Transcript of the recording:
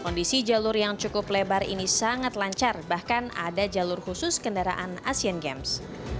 kondisi jalur yang cukup lebar ini sangat lancar bahkan ada jalur khusus kendaraan asian games